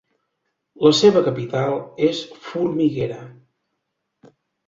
La seva capital és Formiguera.